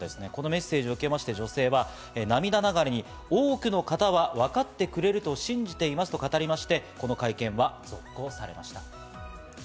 このメッセージを受けまして女性は、涙ながらに多くの方は分かってくれると信じていますと語りまして、この会見は続行されました。